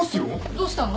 どうしたの？